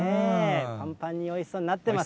ぱんぱんにおいしそうになってます。